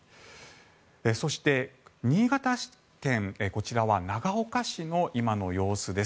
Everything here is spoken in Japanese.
そして、新潟県こちらは長岡市の今の様子です。